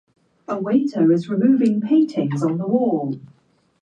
北海道紋別市